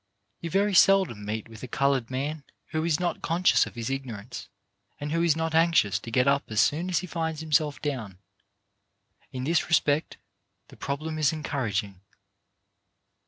You very seldom meet with a coloured man who is not conscious of his ignorance, and who is not anxious to get up as soon as he finds himself down. In this respect the problem is en couraging.